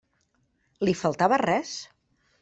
Li faltava res?